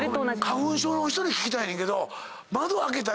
花粉症の人に聞きたいねんけど。